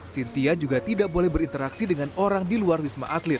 sintia juga tidak boleh berinteraksi dengan orang di luar wisma atlet